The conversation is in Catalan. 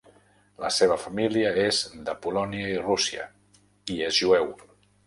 La seva família és de Polònia i Rússia i és jueu.